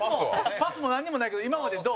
パスもなんにもないけど今まで、どう？